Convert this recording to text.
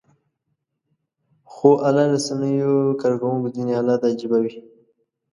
خواله رسنیو کاروونکو ځینې حالات عجيبه وي